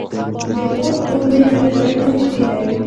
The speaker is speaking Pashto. د خور کور مې هغې ځای ته نژدې دی